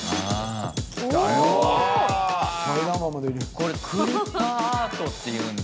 これクリッパーアートっていうんだ。